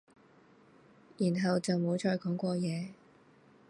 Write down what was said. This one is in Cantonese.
然後就冇再講過嘢